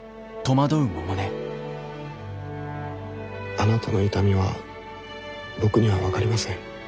あなたの痛みは僕には分かりません。